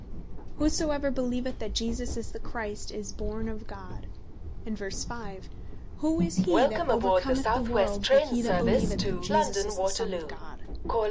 "whosoever beleeveth that Jesus is the Christ, is born of God." And verse 5. "Who is hee that overcommeth the world, but he that beleeveth that Jesus is the Son of God?"